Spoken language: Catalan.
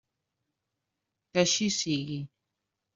Que així sigui.